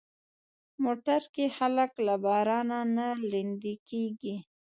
موټر کې خلک له بارانه نه لندي کېږي.